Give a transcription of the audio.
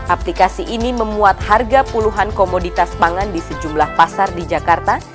aplikasi ini memuat harga puluhan komoditas pangan di sejumlah pasar di jakarta